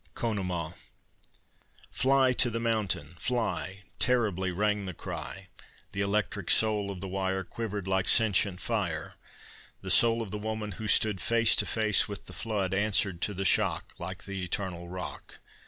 CONEMAUGH "Fly to the mountain! Fly!" Terribly rang the cry. The electric soul of the wire Quivered like sentient fire. The soul of the woman who stood Face to face with the flood Answered to the shock Like the eternal rock.